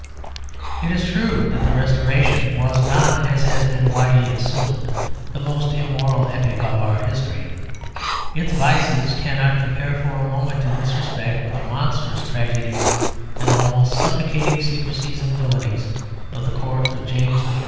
It is true that the Restoration was not, as has been widely assumed, the most immoral epoch of our history. Its vices cannot compare for a moment in this respect with the monstrous tragedies and almost suffocating secrecies and villainies of the Court of James I.